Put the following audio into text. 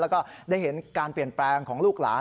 แล้วก็ได้เห็นการเปลี่ยนแปลงของลูกหลาน